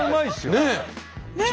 ねっ。